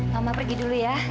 mama pergi dulu ya